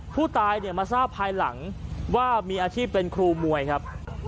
ผู้ตายเนี่ยมาทราบภายหลังว่ามีอาชีพเป็นครูมวยครับ